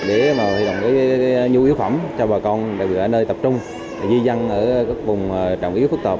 để mà huy động cái nhu yếu phẩm cho bà con đặc biệt là nơi tập trung di dăng ở các vùng trọng yếu phức tạp